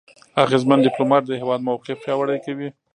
اغېزمن ډيپلوماټ د هېواد موقف پیاوړی کوي.